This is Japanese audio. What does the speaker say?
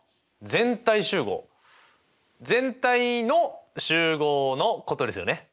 全体の集合のことですよね。